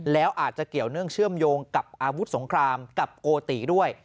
แล้วอาจจะเกี่ยวเนื่องเชื่อมโยงกับอาวุธสงครามกับโกติด้วย